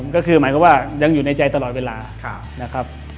ก็คือหมายความว่ายังอยู่ในใจตลอดเวลานะครับ